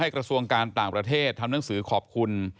กระทรวงการต่างประเทศทำหนังสือขอบคุณ